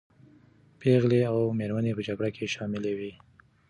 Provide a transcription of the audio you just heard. پېغلې او مېرمنې په جګړه کې شاملي وې.